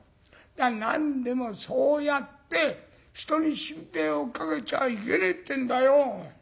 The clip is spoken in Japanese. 何でもそうやって人に心配をかけちゃいけねえってんだよ。なあ？